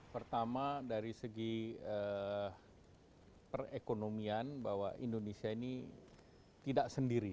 pertama dari segi perekonomian bahwa indonesia ini tidak sendiri